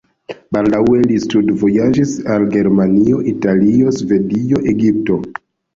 Baldaŭe li studvojaĝis al Germanio, Italio, Svislando, Egipto.